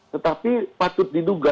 tetapi patut diduga